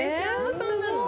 そうなの。